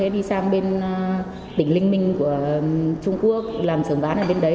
đi sang bên tỉnh linh minh của trung quốc làm sửa ván ở bên đấy